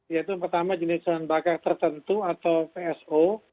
yaitu yang pertama jenis bahan bakar tertentu atau pso